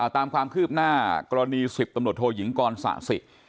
ตามความคืบหน้ากรณี๑๐ตำรวจโทยิงกรสะสิ